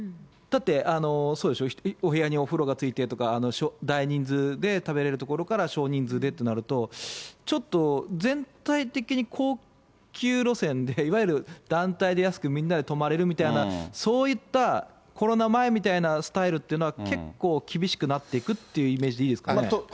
だって、そうでしょ、お部屋にお風呂が付いてとか、大人数で食べれる所から、少人数でってなると、ちょっと、全体的に高級路線で、いわゆる団体で安く、みんなで泊まれるみたいな、そういったコロナ前みたいなスタイルっていうのは、結構厳しくなっていくっていうイメージでいいですかね。